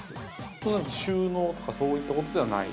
◆となると、収納とかそういったことではない。